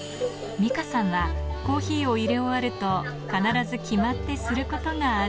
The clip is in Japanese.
ミカさんは、コーヒーをいれ終わると、必ず決まってすることがある。